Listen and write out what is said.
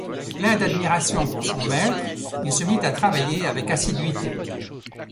Plein d’admiration pour son maître, il se mit à travailler avec assiduité.